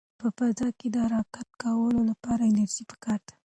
په فضا کې د حرکت کولو لپاره انرژي پکار ده.